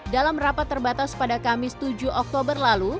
dalam rapat terbatas pada kamis tujuh oktober lalu